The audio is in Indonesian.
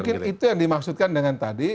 mungkin itu yang dimaksudkan dengan tadi